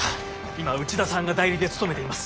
今内田さんが代理で務めています。